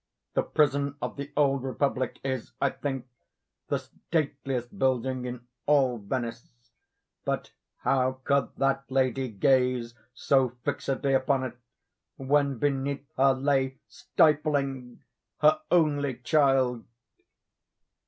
The prison of the Old Republic is, I think, the stateliest building in all Venice—but how could that lady gaze so fixedly upon it, when beneath her lay stifling her only child?